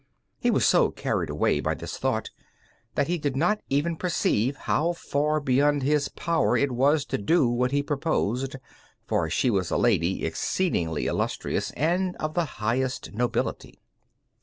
He was so carried away by this thought that he did not even perceive how far beyond his power it was to do what he proposed, for she was a lady exceedingly illustrious and of the highest nobility.